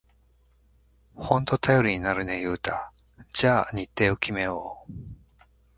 ほんと頼りになるね、ユウタ。じゃあ日程を決めよう！